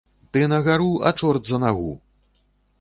Ты на гару, а чорт за нагу.